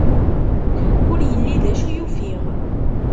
Ur yelli d acu i ufiɣ.